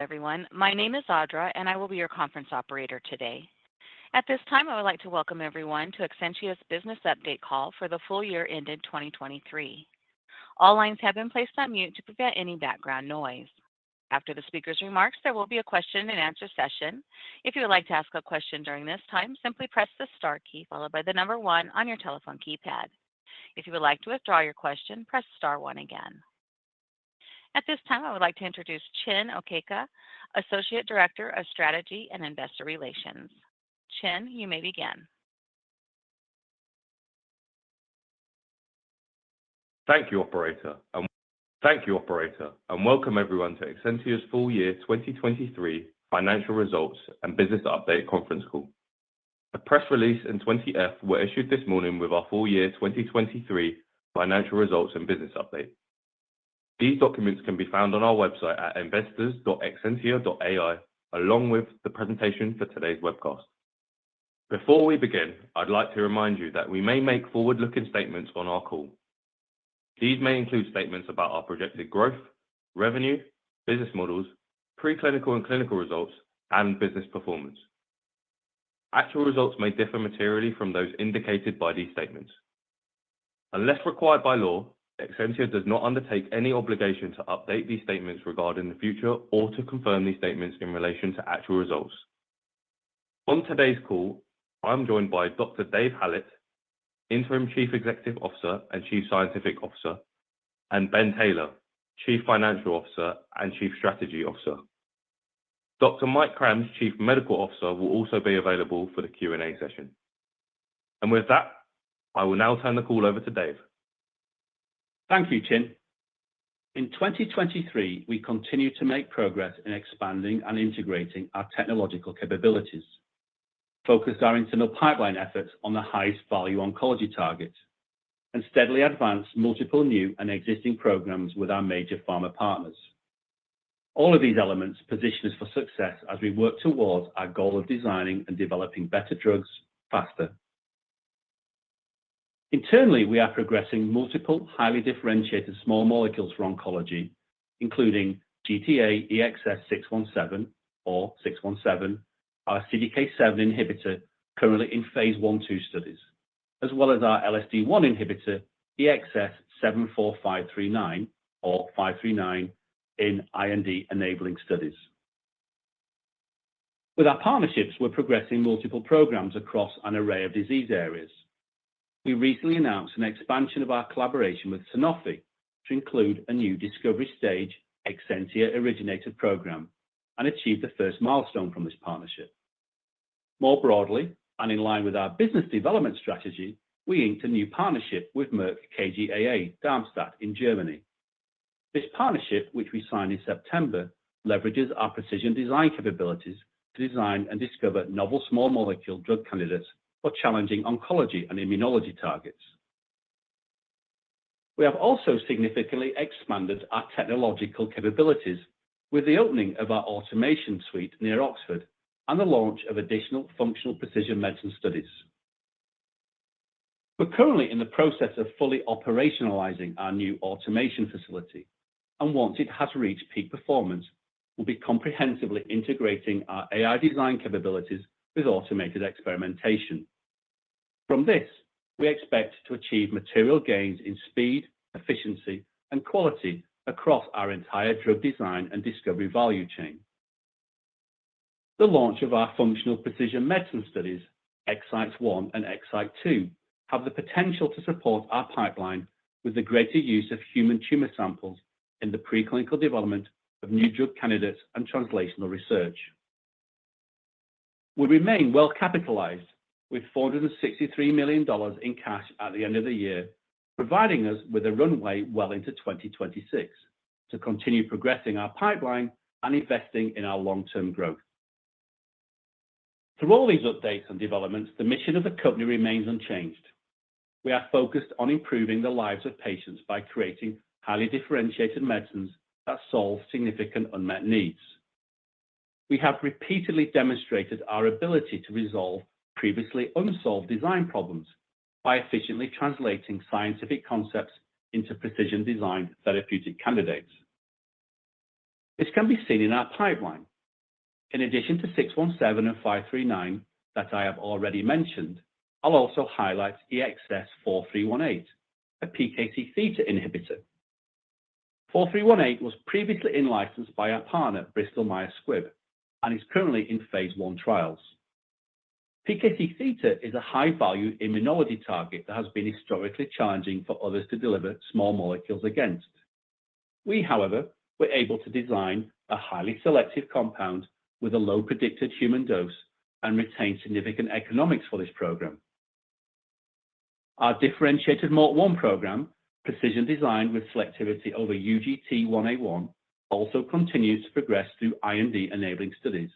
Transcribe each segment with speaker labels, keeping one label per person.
Speaker 1: Everyone, my name is Audra, and I will be your conference operator today. At this time, I would like to welcome everyone to Exscientia's Business Update Call for the full year ended 2023. All lines have been placed on mute to prevent any background noise. After the speaker's remarks, there will be a question-and-answer session. If you would like to ask a question during this time, simply press the star key followed by the number one on your telephone keypad. If you would like to withdraw your question, press star one again. At this time, I would like to introduce Chin Okeke, Associate Director of Strategy and Investor Relations. Chin, you may begin.
Speaker 2: Thank you, operator. Thank you, operator, and welcome everyone to Exscientia's full year 2023 financial results and business update conference call. A press release and 20-F was issued this morning with our full year 2023 financial results and business update. These documents can be found on our website at investors.exscientia.ai, along with the presentation for today's webcast. Before we begin, I'd like to remind you that we may make forward-looking statements on our call. These may include statements about our projected growth, revenue, business models, preclinical and clinical results, and business performance. Actual results may differ materially from those indicated by these statements. Unless required by law, Exscientia does not undertake any obligation to update these statements regarding the future or to confirm these statements in relation to actual results. On today's call, I'm joined by Dr. Dave Hallett, Interim Chief Executive Officer and Chief Scientific Officer, and Ben Taylor, Chief Financial Officer and Chief Strategy Officer. Dr. Mike Krams, Chief Medical Officer, will also be available for the Q&A session. With that, I will now turn the call over to Dave.
Speaker 3: Thank you, Chin. In 2023, we continued to make progress in expanding and integrating our technological capabilities, focused our internal pipeline efforts on the highest value oncology target, and steadily advanced multiple new and existing programs with our major pharma partners. All of these elements position us for success as we work towards our goal of designing and developing better drugs faster. Internally, we are progressing multiple highly differentiated small molecules for oncology, including GTAEXS617 or 617, our CDK7 inhibitor, currently in phase I/II studies, as well as our LSD1 inhibitor, EXS74539 or 539, in IND-enabling studies. With our partnerships, we're progressing multiple programs across an array of disease areas. We recently announced an expansion of our collaboration with Sanofi to include a new discovery-stage Exscientia-originated program and achieved the first milestone from this partnership. More broadly, and in line with our business development strategy, we inked a new partnership with Merck KGaA, Darmstadt, Germany. This partnership, which we signed in September, leverages our precision design capabilities to design and discover novel small molecule drug candidates for challenging oncology and immunology targets. We have also significantly expanded our technological capabilities with the opening of our automation suite near Oxford and the launch of additional functional precision medicine studies. We're currently in the process of fully operationalizing our new automation facility, and once it has reached peak performance, we'll be comprehensively integrating our AI design capabilities with automated experimentation. From this, we expect to achieve material gains in speed, efficiency, and quality across our entire drug design and discovery value chain. The launch of our functional precision medicine studies, EXCYTE-1 and EXCYTE-2, have the potential to support our pipeline with the greater use of human tumor samples in the preclinical development of new drug candidates and translational research. We remain well-capitalized, with $463 million in cash at the end of the year, providing us with a runway well into 2026 to continue progressing our pipeline and investing in our long-term growth. Through all these updates and developments, the mission of the company remains unchanged. We are focused on improving the lives of patients by creating highly differentiated medicines that solve significant unmet needs. We have repeatedly demonstrated our ability to resolve previously unsolved design problems by efficiently translating scientific concepts into precision design therapeutic candidates. This can be seen in our pipeline. In addition to 617 and 539 that I have already mentioned, I'll also highlight EXS4318, a PKC theta inhibitor. 4318 was previously in-licensed by our partner, Bristol Myers Squibb, and is currently in phase I trials. PKC theta is a high-value immunology target that has been historically challenging for others to deliver small molecules against. We, however, were able to design a highly selective compound with a low predicted human dose and retain significant economics for this program. Our differentiated MALT1 program, precision designed with selectivity over UGT1A1, also continues to progress through IND-enabling studies,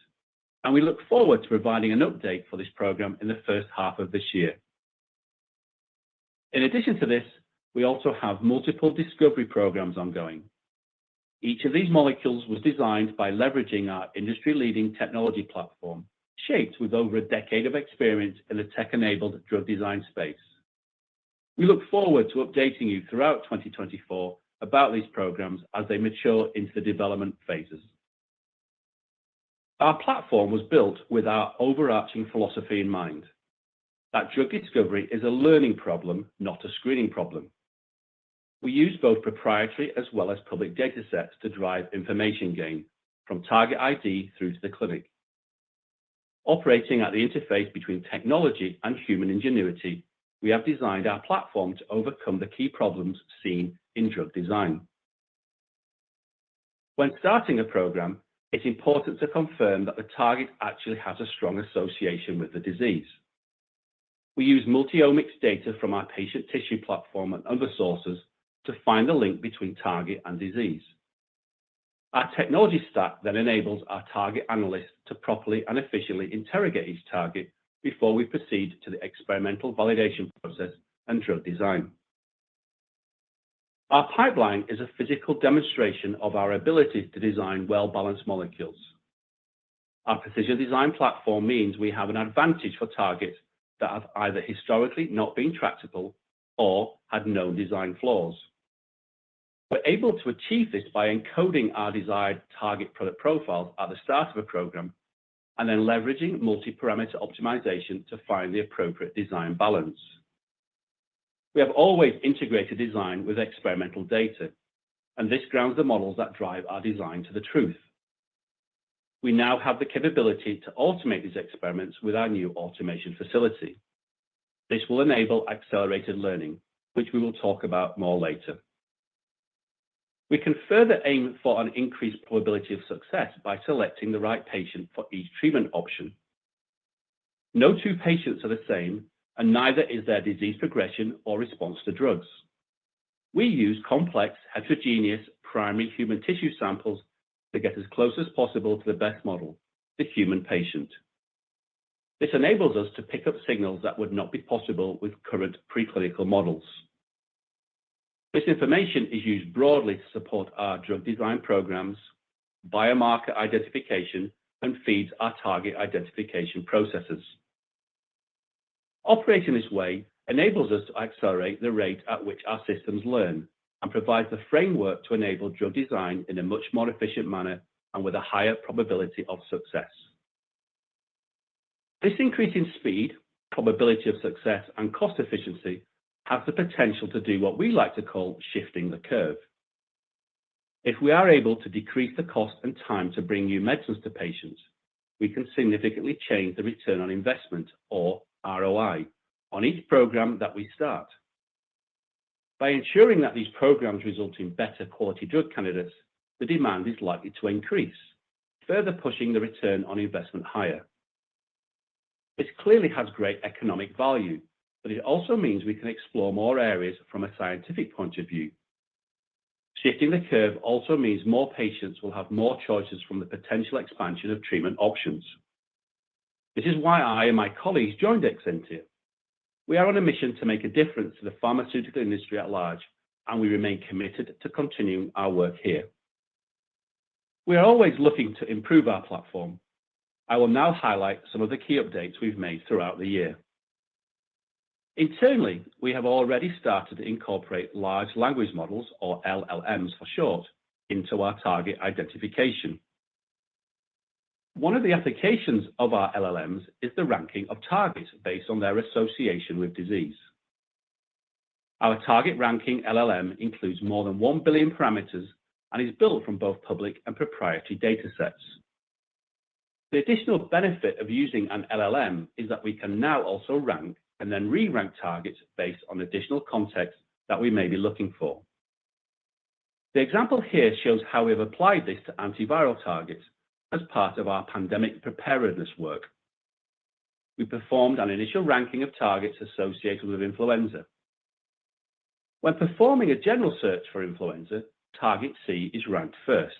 Speaker 3: and we look forward to providing an update for this program in the first half of this year. In addition to this, we also have multiple discovery programs ongoing. Each of these molecules was designed by leveraging our industry-leading technology platform, shaped with over a decade of experience in the tech-enabled drug design space. We look forward to updating you throughout 2024 about these programs as they mature into the development phases. Our platform was built with our overarching philosophy in mind, that drug discovery is a learning problem, not a screening problem. We use both proprietary as well as public datasets to drive information gain from target ID through to the clinic. Operating at the interface between technology and human ingenuity, we have designed our platform to overcome the key problems seen in drug design. When starting a program, it's important to confirm that the target actually has a strong association with the disease. We use multi-omics data from our patient tissue platform and other sources to find the link between target and disease. Our technology stack then enables our target analysts to properly and efficiently interrogate each target before we proceed to the experimental validation process and drug design. Our pipeline is a physical demonstration of our ability to design well-balanced molecules. Our precision design platform means we have an advantage for targets that have either historically not been tractable or had known design flaws. We're able to achieve this by encoding our desired target product profiles at the start of a program and then leveraging multi-parameter optimization to find the appropriate design balance. We have always integrated design with experimental data, and this grounds the models that drive our design to the truth. We now have the capability to automate these experiments with our new automation facility. This will enable accelerated learning, which we will talk about more later. We can further aim for an increased probability of success by selecting the right patient for each treatment option. No two patients are the same, and neither is their disease progression or response to drugs. We use complex, heterogeneous, primary human tissue samples to get as close as possible to the best model, the human patient. This enables us to pick up signals that would not be possible with current preclinical models. This information is used broadly to support our drug design programs, biomarker identification, and feeds our target identification processes. Operating this way enables us to accelerate the rate at which our systems learn and provides the framework to enable drug design in a much more efficient manner and with a higher probability of success. This increase in speed, probability of success, and cost efficiency have the potential to do what we like to call shifting the curve. If we are able to decrease the cost and time to bring new medicines to patients, we can significantly change the return on investment, or ROI, on each program that we start. By ensuring that these programs result in better quality drug candidates, the demand is likely to increase, further pushing the return on investment higher. This clearly has great economic value, but it also means we can explore more areas from a scientific point of view. Shifting the curve also means more patients will have more choices from the potential expansion of treatment options. This is why I and my colleagues joined Exscientia. We are on a mission to make a difference to the pharmaceutical industry at large, and we remain committed to continuing our work here. We are always looking to improve our platform. I will now highlight some of the key updates we've made throughout the year. Internally, we have already started to incorporate large language models, or LLMs for short, into our target identification. One of the applications of our LLMs is the ranking of targets based on their association with disease. Our target ranking LLM includes more than 1 billion parameters and is built from both public and proprietary datasets. The additional benefit of using an LLM is that we can now also rank and then re-rank targets based on additional context that we may be looking for. The example here shows how we have applied this to antiviral targets as part of our pandemic preparedness work. We performed an initial ranking of targets associated with influenza. When performing a general search for influenza, target C is ranked first,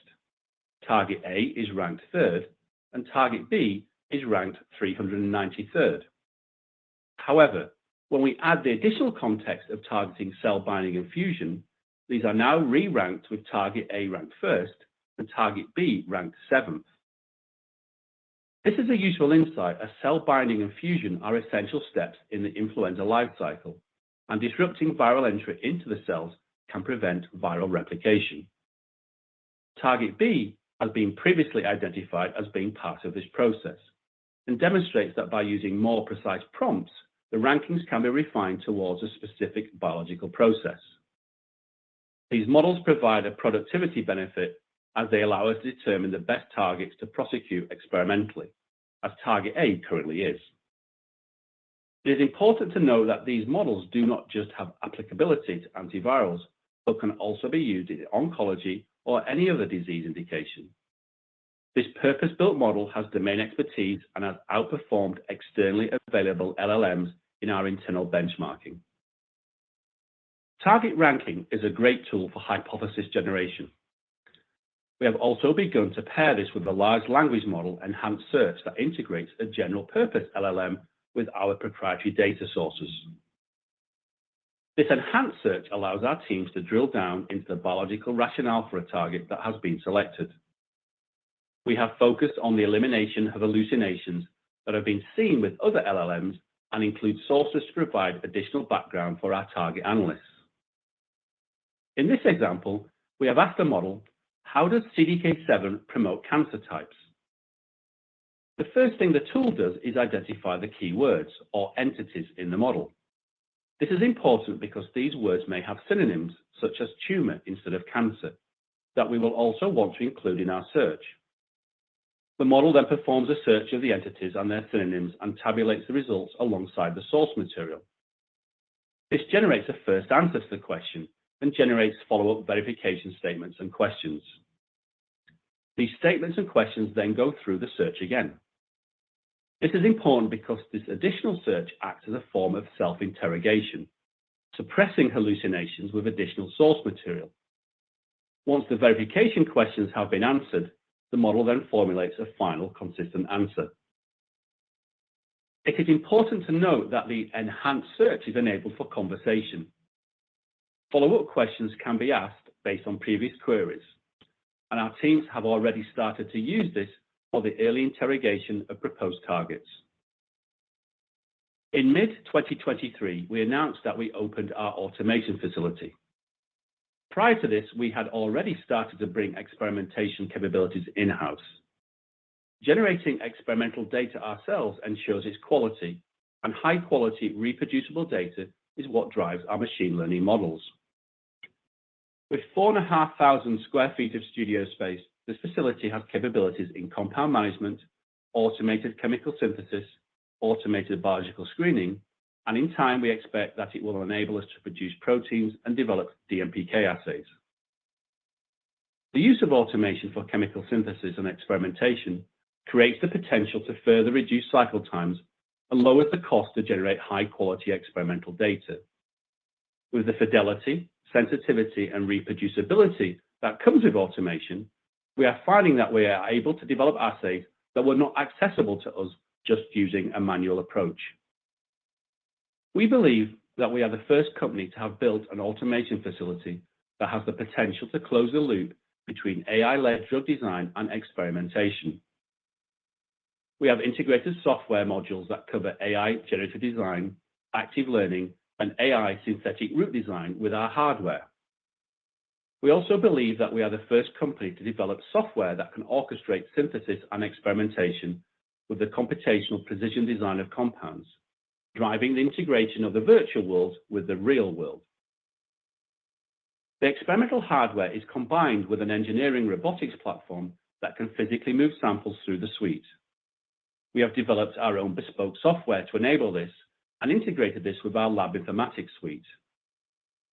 Speaker 3: target A is ranked third, and target B is ranked 393rd. However, when we add the additional context of targeting cell binding and fusion, these are now re-ranked, with target A ranked first and target B ranked seventh. This is a useful insight, as cell binding and fusion are essential steps in the influenza life cycle, and disrupting viral entry into the cells can prevent viral replication. Target B has been previously identified as being part of this process and demonstrates that by using more precise prompts, the rankings can be refined towards a specific biological process. These models provide a productivity benefit as they allow us to determine the best targets to prosecute experimentally, as target A currently is. It is important to know that these models do not just have applicability to antivirals, but can also be used in oncology or any other disease indication. This purpose-built model has domain expertise and has outperformed externally available LLMs in our internal benchmarking. Target ranking is a great tool for hypothesis generation. We have also begun to pair this with a large language model, enhanced search, that integrates a general-purpose LLM with our proprietary data sources. This enhanced search allows our teams to drill down into the biological rationale for a target that has been selected... We have focused on the elimination of hallucinations that have been seen with other LLMs and include sources to provide additional background for our target analysts. In this example, we have asked the model: How does CDK7 promote cancer types? The first thing the tool does is identify the keywords or entities in the model. This is important because these words may have synonyms, such as tumor instead of cancer, that we will also want to include in our search. The model then performs a search of the entities and their synonyms and tabulates the results alongside the source material. This generates a first answer to the question and generates follow-up verification statements and questions. These statements and questions then go through the search again. This is important because this additional search acts as a form of self-interrogation, suppressing hallucinations with additional source material. Once the verification questions have been answered, the model then formulates a final consistent answer. It is important to note that the enhanced search is enabled for conversation. Follow-up questions can be asked based on previous queries, and our teams have already started to use this for the early interrogation of proposed targets. In mid-2023, we announced that we opened our automation facility. Prior to this, we had already started to bring experimentation capabilities in-house. Generating experimental data ourselves ensures its quality, and high-quality, reproducible data is what drives our machine learning models. With 4,500 sq ft of studio space, this facility has capabilities in compound management, automated chemical synthesis, automated biological screening, and in time, we expect that it will enable us to produce proteins and develop DMPK assays. The use of automation for chemical synthesis and experimentation creates the potential to further reduce cycle times and lowers the cost to generate high-quality experimental data. With the fidelity, sensitivity, and reproducibility that comes with automation, we are finding that we are able to develop assays that were not accessible to us just using a manual approach. We believe that we are the first company to have built an automation facility that has the potential to close the loop between AI-led drug design and experimentation. We have integrated software modules that cover AI generative design, active learning, and AI synthetic route design with our hardware. We also believe that we are the first company to develop software that can orchestrate synthesis and experimentation with the computational precision design of compounds, driving the integration of the virtual world with the real world. The experimental hardware is combined with an engineering robotics platform that can physically move samples through the suite. We have developed our own bespoke software to enable this and integrated this with our lab informatics suite.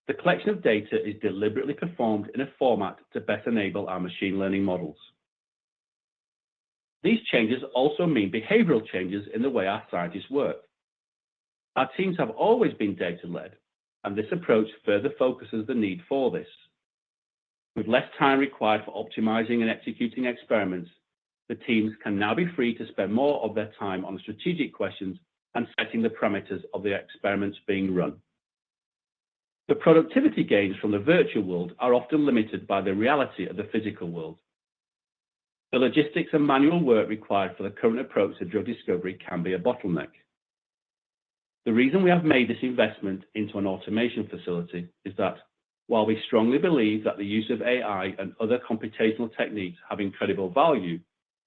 Speaker 3: The collection of data is deliberately performed in a format to best enable our machine learning models. These changes also mean behavioral changes in the way our scientists work. Our teams have always been data-led, and this approach further focuses the need for this. With less time required for optimizing and executing experiments, the teams can now be free to spend more of their time on strategic questions and setting the parameters of the experiments being run. The productivity gains from the virtual world are often limited by the reality of the physical world. The logistics and manual work required for the current approach to drug discovery can be a bottleneck. The reason we have made this investment into an automation facility is that while we strongly believe that the use of AI and other computational techniques have incredible value,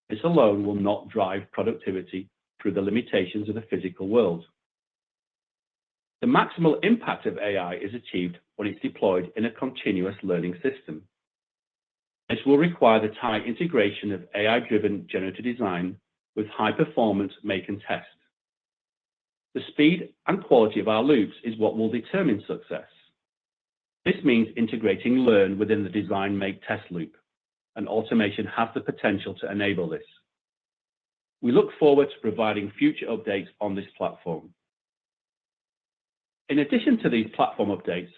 Speaker 3: this alone will not drive productivity through the limitations of the physical world. The maximal impact of AI is achieved when it's deployed in a continuous learning system. This will require the tight integration of AI-driven generative design with high-performance make and test. The speed and quality of our loops is what will determine success. This means integrating learn within the design make test loop, and automation has the potential to enable this. We look forward to providing future updates on this platform. In addition to these platform updates,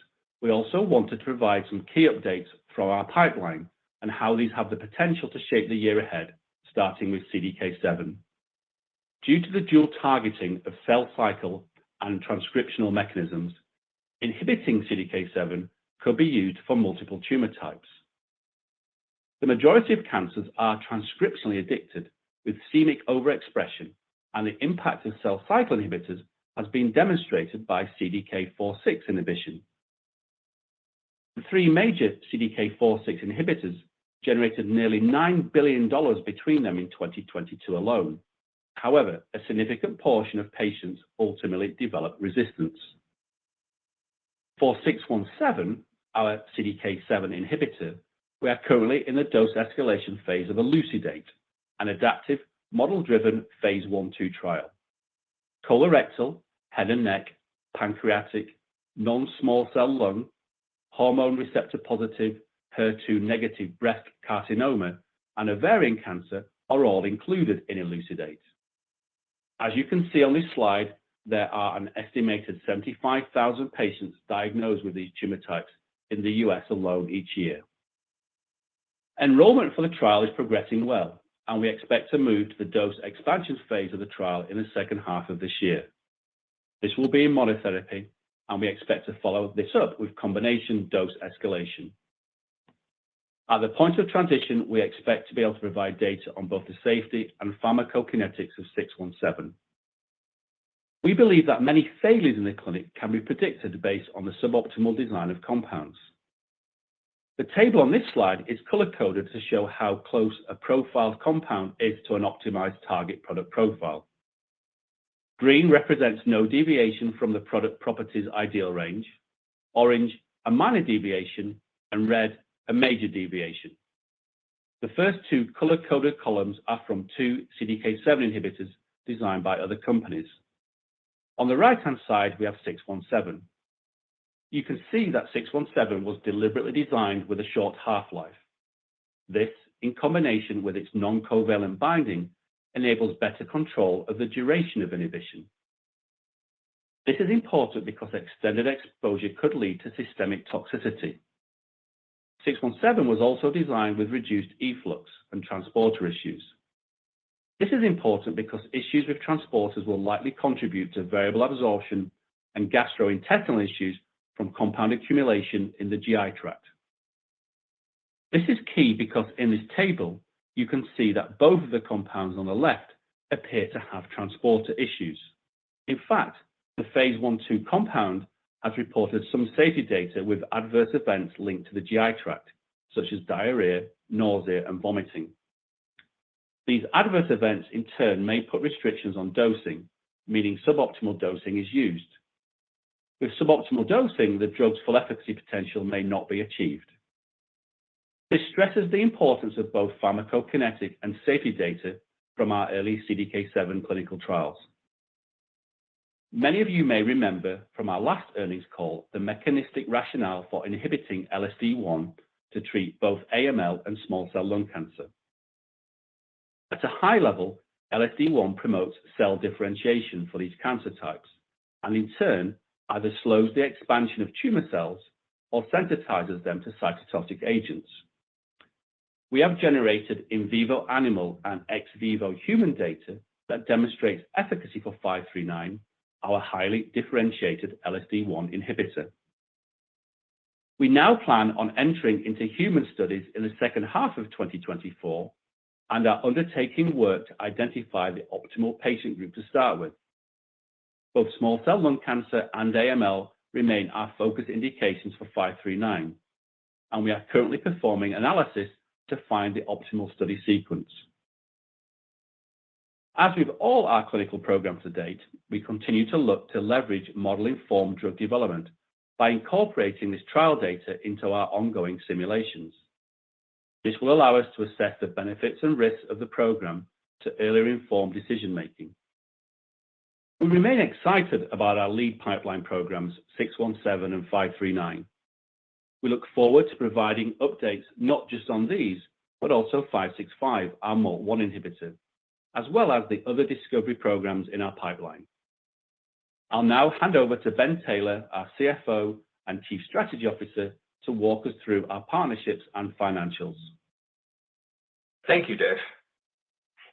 Speaker 3: we also wanted to provide some key updates from our pipeline and how these have the potential to shape the year ahead, starting with CDK7. Due to the dual targeting of cell cycle and transcriptional mechanisms, inhibiting CDK7 could be used for multiple tumor types. The majority of cancers are transcriptionally addicted, with c-Myc overexpression, and the impact of cell cycle inhibitors has been demonstrated by CDK4/6 inhibition. The three major CDK4/6 inhibitors generated nearly $9 billion between them in 2022 alone. However, a significant portion of patients ultimately develop resistance. GTAEXS617, our CDK7 inhibitor, we are currently in the dose escalation phase of ELUCIDATE, an adaptive, model-driven phase I/II trial. Colorectal, head and neck, pancreatic, non-small cell lung, hormone receptor-positive, HER2-negative breast carcinoma, and ovarian cancer are all included in ELUCIDATE. As you can see on this slide, there are an estimated 75,000 patients diagnosed with these tumor types in the U.S. alone each year. Enrollment for the trial is progressing well, and we expect to move to the dose expansion phase of the trial in the second half of this year. This will be in monotherapy, and we expect to follow this up with combination dose escalation. At the point of transition, we expect to be able to provide data on both the safety and pharmacokinetics of 617. We believe that many failures in the clinic can be predicted based on the suboptimal design of compounds. The table on this slide is color-coded to show how close a profiled compound is to an optimized target product profile. Green represents no deviation from the product properties' ideal range, orange a minor deviation, and red a major deviation. The first two color-coded columns are from two CDK7 inhibitors designed by other companies. On the right-hand side, we have 617. You can see that 617 was deliberately designed with a short half-life. This, in combination with its non-covalent binding, enables better control of the duration of inhibition. This is important because extended exposure could lead to systemic toxicity. 617 was also designed with reduced efflux and transporter issues. This is important because issues with transporters will likely contribute to variable absorption and gastrointestinal issues from compound accumulation in the GI tract. This is key because in this table you can see that both of the compounds on the left appear to have transporter issues. In fact, the phase I/II compound has reported some safety data with adverse events linked to the GI tract, such as diarrhea, nausea, and vomiting. These adverse events, in turn, may put restrictions on dosing, meaning suboptimal dosing is used. With suboptimal dosing, the drug's full efficacy potential may not be achieved. This stresses the importance of both pharmacokinetic and safety data from our early CDK7 clinical trials. Many of you may remember from our last earnings call the mechanistic rationale for inhibiting LSD1 to treat both AML and small cell lung cancer. At a high level, LSD1 promotes cell differentiation for these cancer types and in turn either slows the expansion of tumor cells or sensitizes them to cytotoxic agents. We have generated in vivo animal and ex vivo human data that demonstrates efficacy for 539, our highly differentiated LSD1 inhibitor. We now plan on entering into human studies in the second half of 2024 and are undertaking work to identify the optimal patient group to start with. Both small cell lung cancer and AML remain our focus indications for 539, and we are currently performing analysis to find the optimal study sequence. As with all our clinical programs to date, we continue to look to leverage model-informed drug development by incorporating this trial data into our ongoing simulations. This will allow us to assess the benefits and risks of the program to earlier inform decision making. We remain excited about our lead pipeline programs, 617 and 539. We look forward to providing updates not just on these, but also 565, our MALT1 inhibitor, as well as the other discovery programs in our pipeline. I'll now hand over to Ben Taylor, our CFO and Chief Strategy Officer, to walk us through our partnerships and financials.
Speaker 4: Thank you, Dave.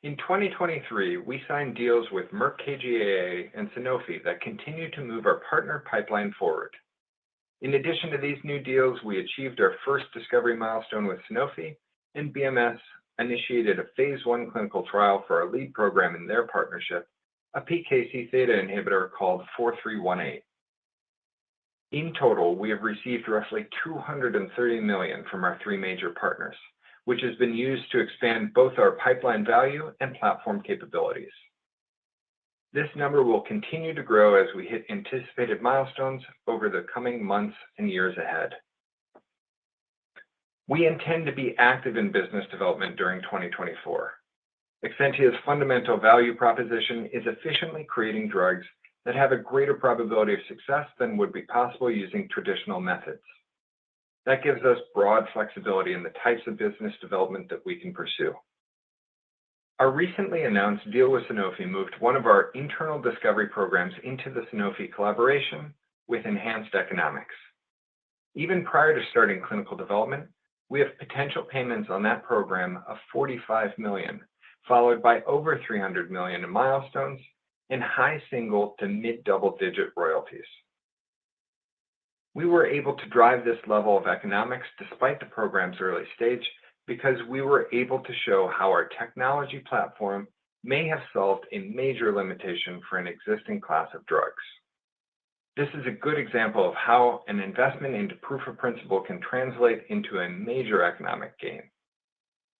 Speaker 4: In 2023, we signed deals with Merck KGaA and Sanofi that continued to move our partner pipeline forward. In addition to these new deals, we achieved our first discovery milestone with Sanofi, and BMS initiated a phase I clinical trial for our lead program in their partnership, a PKC theta inhibitor called 4318. In total, we have received roughly $230 million from our three major partners, which has been used to expand both our pipeline value and platform capabilities. This number will continue to grow as we hit anticipated milestones over the coming months and years ahead. We intend to be active in business development during 2024. Exscientia's fundamental value proposition is efficiently creating drugs that have a greater probability of success than would be possible using traditional methods. That gives us broad flexibility in the types of business development that we can pursue. Our recently announced deal with Sanofi moved one of our internal discovery programs into the Sanofi collaboration with enhanced economics. Even prior to starting clinical development, we have potential payments on that program of $45 million, followed by over $300 million in milestones and high single- to mid-double-digit royalties. We were able to drive this level of economics despite the program's early stage, because we were able to show how our technology platform may have solved a major limitation for an existing class of drugs. This is a good example of how an investment into proof of principle can translate into a major economic gain.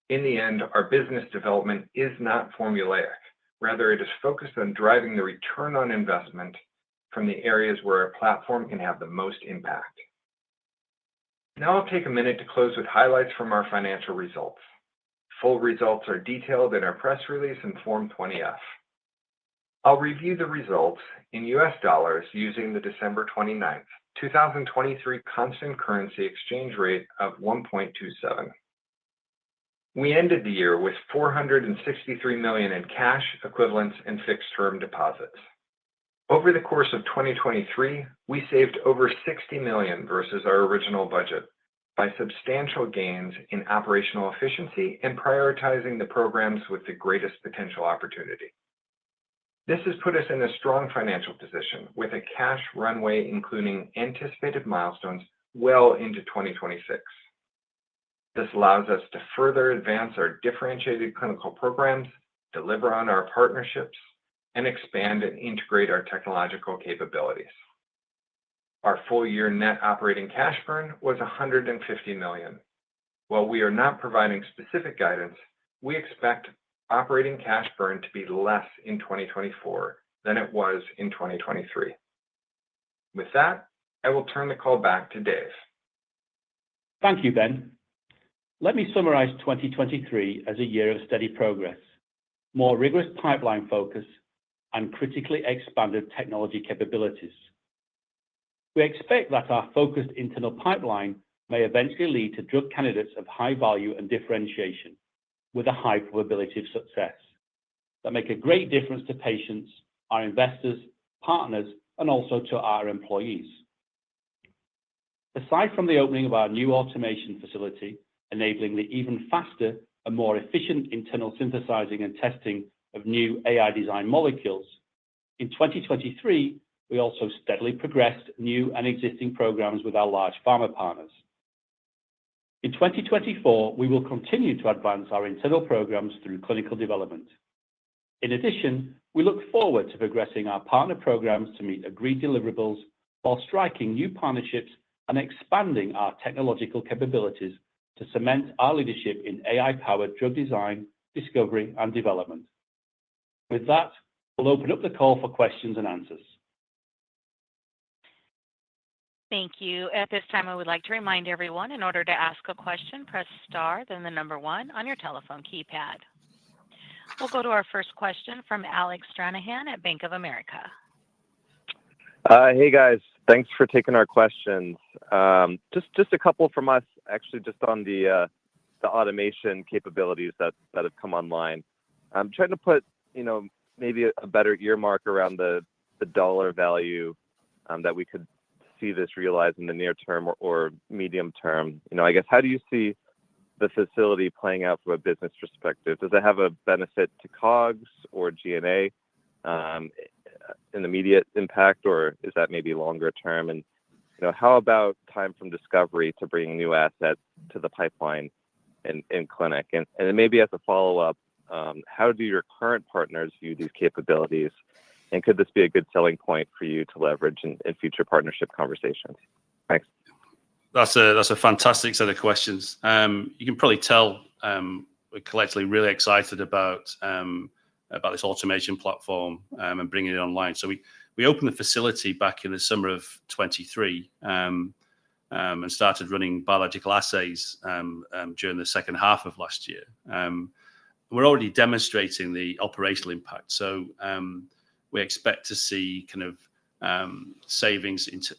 Speaker 4: In the end, our business development is not formulaic. Rather, it is focused on driving the return on investment from the areas where our platform can have the most impact. Now I'll take a minute to close with highlights from our financial results. Full results are detailed in our press release and Form 20-F. I'll review the results in US dollars using the December 29th, 2023 constant currency exchange rate of 1.27. We ended the year with $463 million in cash equivalents and fixed term deposits. Over the course of 2023, we saved over $60 million versus our original budget.... by substantial gains in operational efficiency and prioritizing the programs with the greatest potential opportunity. This has put us in a strong financial position, with a cash runway, including anticipated milestones, well into 2026. This allows us to further advance our differentiated clinical programs, deliver on our partnerships, and expand and integrate our technological capabilities. Our full-year net operating cash burn was $150 million. While we are not providing specific guidance, we expect operating cash burn to be less in 2024 than it was in 2023. With that, I will turn the call back to Dave.
Speaker 3: Thank you, Ben. Let me summarize 2023 as a year of steady progress, more rigorous pipeline focus, and critically expanded technology capabilities. We expect that our focused internal pipeline may eventually lead to drug candidates of high value and differentiation, with a high probability of success, that make a great difference to patients, our investors, partners, and also to our employees. Aside from the opening of our new automation facility, enabling the even faster and more efficient internal synthesizing and testing of new AI-designed molecules, in 2023, we also steadily progressed new and existing programs with our large pharma partners. In 2024, we will continue to advance our internal programs through clinical development. In addition, we look forward to progressing our partner programs to meet agreed deliverables while striking new partnerships and expanding our technological capabilities to cement our leadership in AI-powered drug design, discovery, and development. With that, we'll open up the call for questions and answers.
Speaker 1: Thank you. At this time, I would like to remind everyone, in order to ask a question, press star, then one on your telephone keypad. We'll go to our first question from Alec Stranahan at Bank of America.
Speaker 5: Hey, guys. Thanks for taking our questions. Just a couple from us, actually, just on the automation capabilities that have come online. I'm trying to put, you know, maybe a better earmark around the dollar value that we could see this realized in the near term or medium term. You know, I guess, how do you see the facility playing out from a business perspective? Does it have a benefit to COGS or G&A in the immediate impact, or is that maybe longer term? And, you know, how about time from discovery to bringing new assets to the pipeline in clinic? And then maybe as a follow-up, how do your current partners view these capabilities, and could this be a good selling point for you to leverage in future partnership conversations? Thanks.
Speaker 3: That's a, that's a fantastic set of questions. You can probably tell, we're collectively really excited about, about this automation platform, and bringing it online. So we, we opened the facility back in the summer of 2023, and started running biological assays, during the second half of last year. We're already demonstrating the operational impact, so, we expect to see kind of, savings into,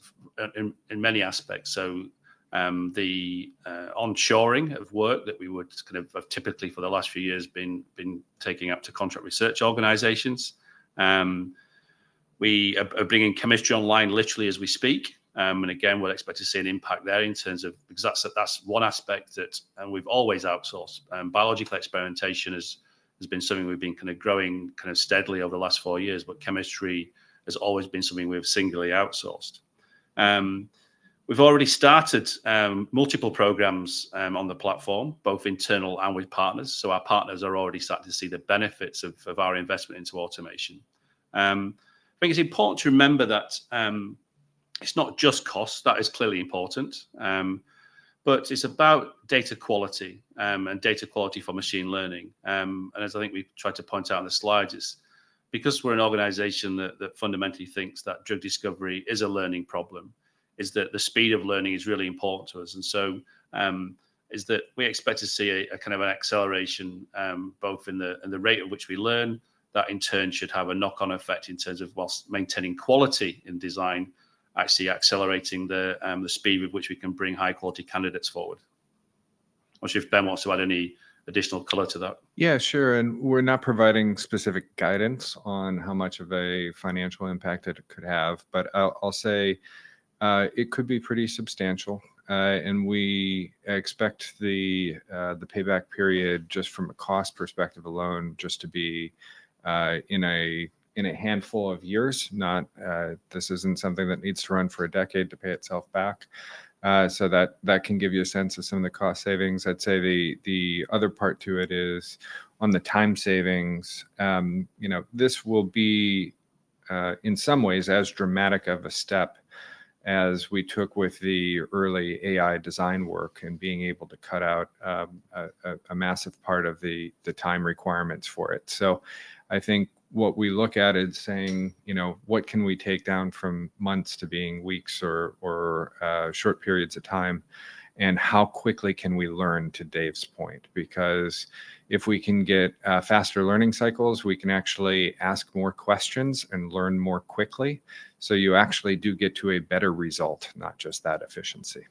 Speaker 3: in, in many aspects. So, the, onshoring of work that we would kind of have typically for the last few years been, been taking up to contract research organizations. We are, are bringing chemistry online literally as we speak. And again, we'll expect to see an impact there in terms of... Because that's, that's one aspect that, we've always outsourced. Biological experimentation has been something we've been kind of growing kind of steadily over the last four years, but chemistry has always been something we've singularly outsourced. We've already started multiple programs on the platform, both internal and with partners, so our partners are already starting to see the benefits of our investment into automation. I think it's important to remember that it's not just cost. That is clearly important, but it's about data quality, and data quality for machine learning. And as I think we've tried to point out in the slides, it's because we're an organization that fundamentally thinks that drug discovery is a learning problem, that the speed of learning is really important to us. And so, is that we expect to see a kind of an acceleration, both in the rate at which we learn, that in turn should have a knock-on effect in terms of whilst maintaining quality in design, actually accelerating the speed with which we can bring high-quality candidates forward. I'm not sure if Ben wants to add any additional color to that.
Speaker 4: Yeah, sure, and we're not providing specific guidance on how much of a financial impact it could have, but I'll, I'll say, it could be pretty substantial. And we expect the payback period, just from a cost perspective alone, just to be in a handful of years, not... This isn't something that needs to run for a decade to pay itself back. So that can give you a sense of some of the cost savings. I'd say the other part to it is on the time savings. You know, this will be in some ways as dramatic of a step as we took with the early AI design work and being able to cut out a massive part of the time requirements for it. So I think what we look at is saying, you know, "What can we take down from months to being weeks or short periods of time, and how quickly can we learn?" To Dave's point, because if we can get faster learning cycles, we can actually ask more questions and learn more quickly, so you actually do get to a better result, not just that efficiency.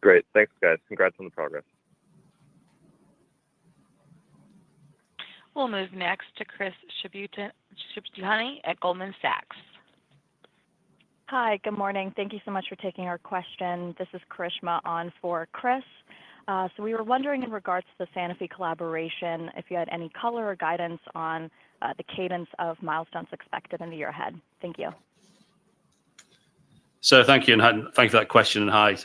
Speaker 5: Great. Thanks, guys. Congrats on the progress.
Speaker 1: We'll move next to Chris Shibutani at Goldman Sachs.
Speaker 6: Hi, good morning. Thank you so much for taking our question. This is Karishma on for Chris. So we were wondering in regards to the Sanofi collaboration, if you had any color or guidance on the cadence of milestones expected in the year ahead. Thank you.
Speaker 3: So thank you, and thanks for that question, and hi.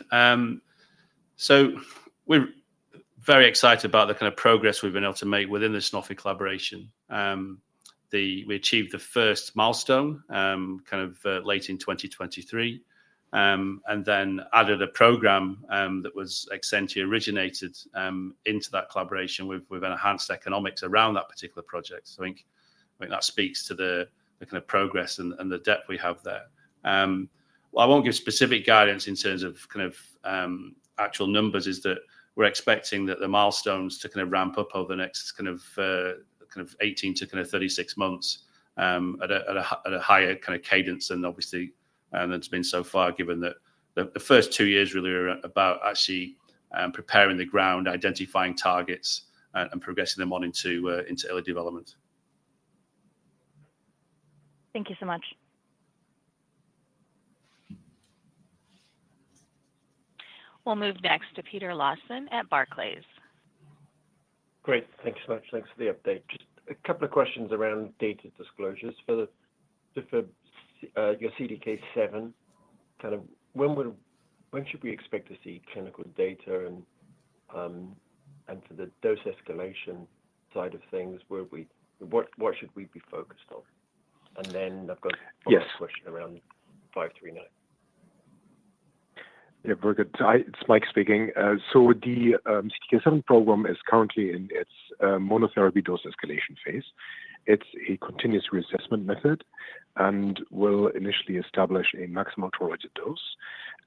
Speaker 3: So we're very excited about the kind of progress we've been able to make within the Sanofi collaboration. We achieved the first milestone kind of late in 2023, and then added a program that was Exscientia originated into that collaboration with enhanced economics around that particular project. So I think, I think that speaks to the kind of progress and the depth we have there. I won't give specific guidance in terms of kind of actual numbers, that we're expecting that the milestones to kind of ramp up over the next kind of 18-36 months, at a higher kind of cadence than obviously than it's been so far, given that the first two years really are about actually preparing the ground, identifying targets, and progressing them on into early development.
Speaker 6: Thank you so much.
Speaker 1: We'll move next to Peter Lawson at Barclays.
Speaker 7: Great. Thank you so much. Thanks for the update. Just a couple of questions around data disclosures for your CDK7. Kind of when should we expect to see clinical data and, and for the dose escalation side of things, what, what should we be focused on? And then I've got-
Speaker 3: Yes.
Speaker 7: a question around 539.
Speaker 8: Yeah, very good. Hi, it's Mike speaking. So the CDK7 program is currently in its monotherapy dose escalation phase. It's a continuous reassessment method and will initially establish a maximum tolerated dose,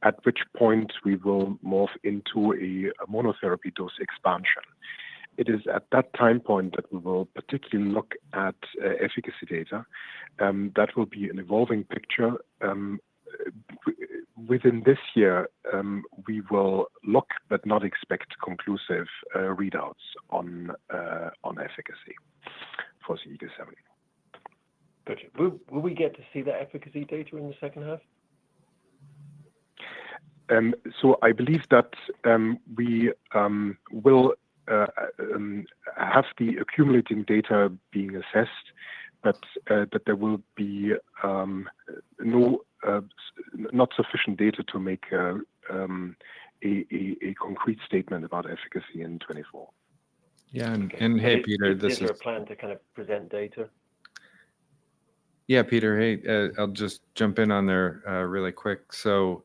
Speaker 8: at which point we will morph into a monotherapy dose expansion. It is at that time point that we will particularly look at efficacy data, that will be an evolving picture. Within this year, we will look, but not expect conclusive readouts on efficacy for CDK7.
Speaker 7: Gotcha. Will, will we get to see the efficacy data in the second half?
Speaker 8: So I believe that we will have the accumulating data being assessed, but there will be not sufficient data to make a concrete statement about efficacy in 2024.
Speaker 4: Yeah. And hey, Peter, this is-
Speaker 7: Is there a plan to kind of present data?
Speaker 4: Yeah, Peter. Hey, I'll just jump in on there, really quick. So,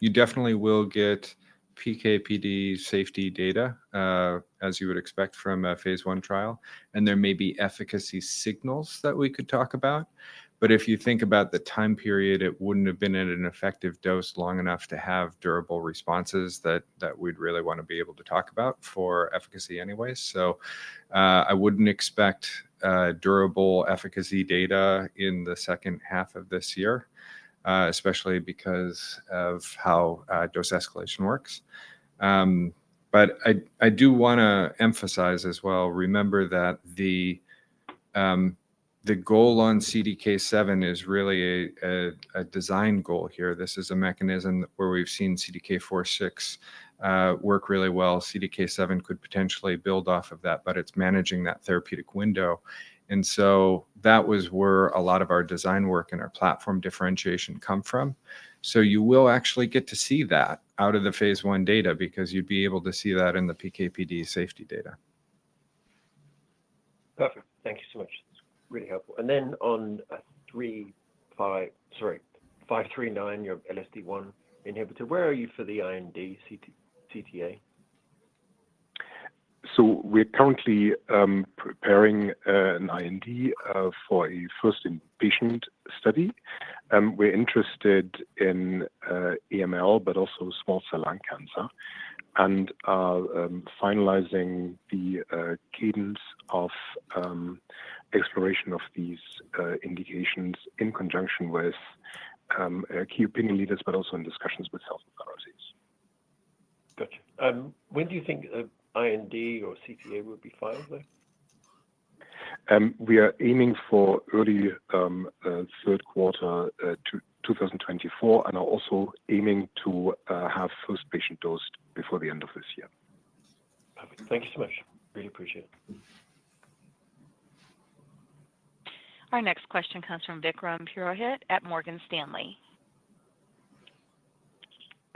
Speaker 4: you definitely will get PK/PD safety data, as you would expect from a phase I trial, and there may be efficacy signals that we could talk about. But if you think about the time period, it wouldn't have been at an effective dose long enough to have durable responses that, that we'd really want to be able to talk about for efficacy anyways. So, I wouldn't expect, durable efficacy data in the second half of this year, especially because of how, dose escalation works. But I, I do wanna emphasize as well, remember that the, the goal on CDK7 is really a, a, a design goal here. This is a mechanism where we've seen CDK4/6, work really well. CDK7 could potentially build off of that, but it's managing that therapeutic window. And so that was where a lot of our design work and our platform differentiation come from. So you will actually get to see that out of the phase I data, because you'd be able to see that in the PK/PD safety data.
Speaker 7: Perfect. Thank you so much. It's really helpful. And then on 539, your LSD1 inhibitor, where are you for the IND, CTA?
Speaker 8: We're currently preparing an IND for a first in-patient study. We're interested in AML, but also small cell lung cancer, and finalizing the cadence of exploration of these indications in conjunction with key opinion leaders, but also in discussions with health authorities.
Speaker 7: Gotcha. When do you think an IND or CTA would be filed there?
Speaker 8: We are aiming for early third quarter 2024, and are also aiming to have first patient dosed before the end of this year.
Speaker 7: Perfect. Thank you so much. Really appreciate it.
Speaker 1: Our next question comes from Vikram Purohit at Morgan Stanley.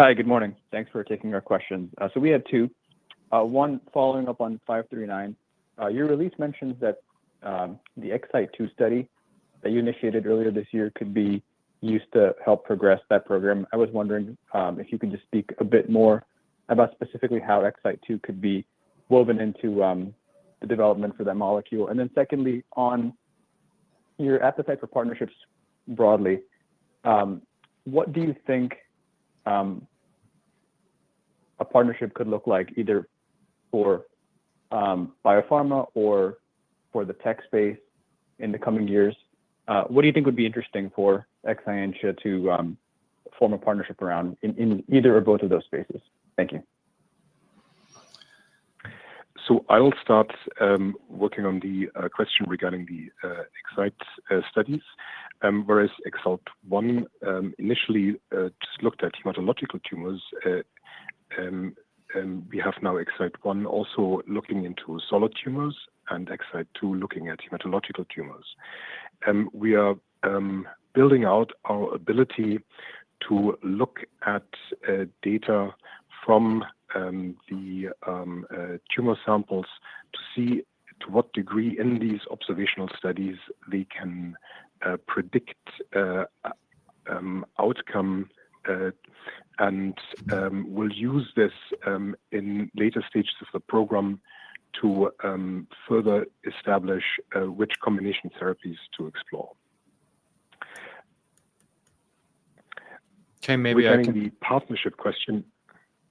Speaker 9: Hi, good morning. Thanks for taking our question. So we have two. One, following up on 539. Your release mentions that the EXCYTE-2 study that you initiated earlier this year could be used to help progress that program. I was wondering if you could just speak a bit more about specifically how EXCYTE-2 could be woven into the development for that molecule. And then secondly, on your appetite for partnerships broadly, what do you think a partnership could look like, either for biopharma or for the tech space in the coming years? What do you think would be interesting for Exscientia to explore? Form a partnership around in either or both of those spaces? Thank you.
Speaker 8: I will start working on the question regarding the EXCYTE studies. Whereas EXALT-1 initially just looked at hematological tumors, and we have now EXCYTE-1 also looking into solid tumors and EXCYTE-2 looking at hematological tumors. We are building out our ability to look at data from the tumor samples to see to what degree in these observational studies we can predict outcome, and we'll use this in later stages of the program to further establish which combination therapies to explore.
Speaker 4: Okay, maybe I can-
Speaker 8: Regarding the partnership question...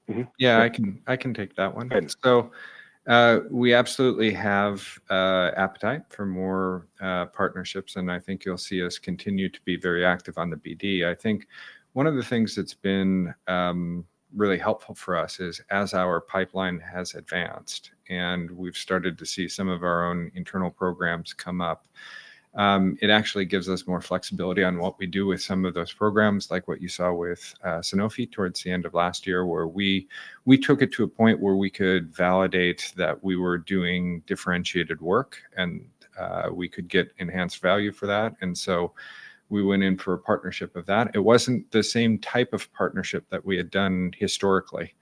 Speaker 8: Mm-hmm.
Speaker 4: Yeah, I can, I can take that one.
Speaker 8: Thanks.
Speaker 4: So, we absolutely have appetite for more partnerships, and I think you'll see us continue to be very active on the BD. I think one of the things that's been really helpful for us is, as our pipeline has advanced and we've started to see some of our own internal programs come up, it actually gives us more flexibility on what we do with some of those programs, like what you saw with Sanofi towards the end of last year, where we took it to a point where we could validate that we were doing differentiated work, and we could get enhanced value for that. And so we went in for a partnership of that. It wasn't the same type of partnership that we had done historically,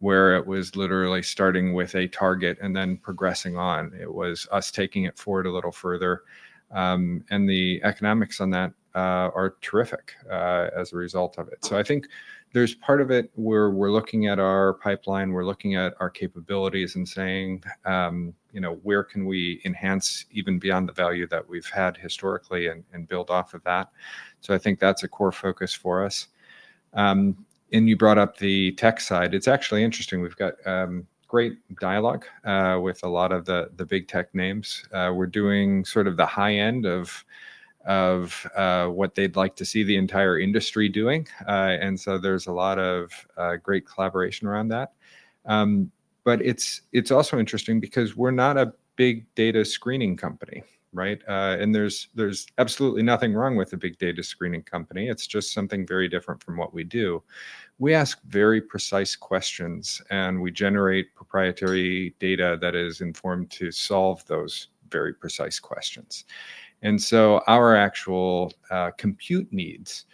Speaker 4: where it was literally starting with a target and then progressing on. It was us taking it forward a little further. And the economics on that are terrific as a result of it. So I think there's part of it where we're looking at our pipeline, we're looking at our capabilities and saying, you know, "Where can we enhance even beyond the value that we've had historically and build off of that?" So I think that's a core focus for us. And you brought up the tech side. It's actually interesting. We've got great dialogue with a lot of the big tech names. We're doing sort of the high end of what they'd like to see the entire industry doing, and so there's a lot of great collaboration around that. But it's also interesting because we're not a big data screening company, right? And there's absolutely nothing wrong with a big data screening company. It's just something very different from what we do. We ask very precise questions, and we generate proprietary data that is informed to solve those very precise questions. And so our actual compute needs,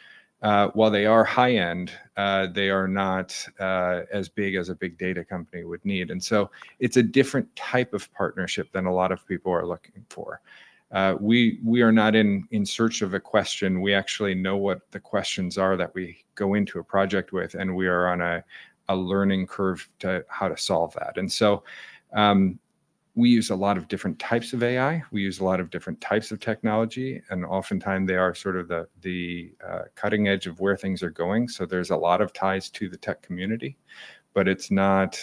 Speaker 4: while they are high-end, they are not as big as a big data company would need. And so it's a different type of partnership than a lot of people are looking for. We are not in search of a question. We actually know what the questions are that we go into a project with, and we are on a learning curve to how to solve that. And so we use a lot of different types of AI. We use a lot of different types of technology, and oftentimes they are sort of the cutting edge of where things are going. So there's a lot of ties to the tech community, but it's not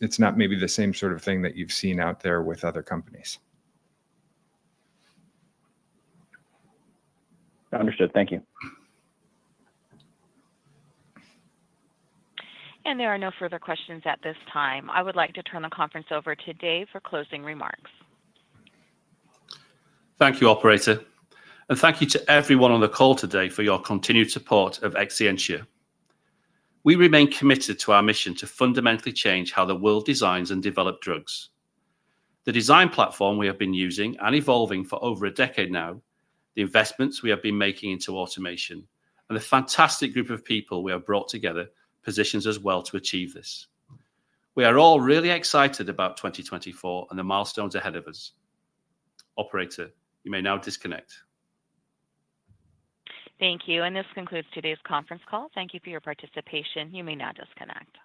Speaker 4: maybe the same sort of thing that you've seen out there with other companies.
Speaker 9: Understood. Thank you.
Speaker 1: And there are no further questions at this time. I would like to turn the conference over to Dave for closing remarks.
Speaker 3: Thank you, operator, and thank you to everyone on the call today for your continued support of Exscientia. We remain committed to our mission to fundamentally change how the world designs and develop drugs. The design platform we have been using and evolving for over a decade now, the investments we have been making into automation, and the fantastic group of people we have brought together positions us well to achieve this. We are all really excited about 2024 and the milestones ahead of us. Operator, you may now disconnect.
Speaker 1: Thank you, and this concludes today's conference call. Thank you for your participation. You may now disconnect.